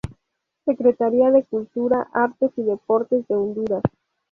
Secretaría de Cultura, Artes y Deportes de Honduras.